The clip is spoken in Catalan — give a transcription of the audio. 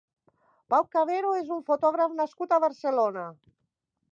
Pau Clavero és un fotògraf nascut a Barcelona.